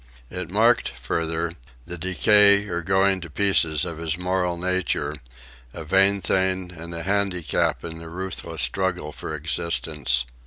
It marked, further, the decay or going to pieces of his moral nature, a vain thing and a handicap in the ruthless struggle for existence.